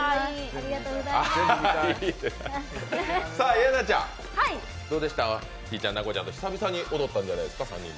イェナちゃんどうしたひぃちゃん奈子ちゃんと久々に踊ったんじゃないですか？